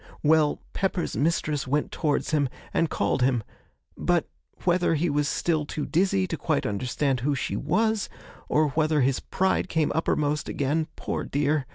Well, Pepper's mistress went towards him, and called him; but whether he was still too dizzy to quite understand who she was, or whether his pride came uppermost again, poor dear!